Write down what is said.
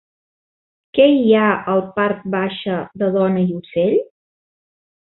Què hi ha al part baixa de Dona i ocell?